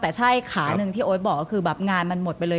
แต่ใช่ขาหนึ่งที่โอ๊ตบอกก็คือแบบงานมันหมดไปเลย